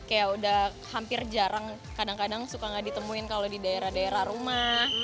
kayak udah hampir jarang kadang kadang suka gak ditemuin kalau di daerah daerah rumah